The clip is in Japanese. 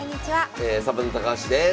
サバンナ高橋です。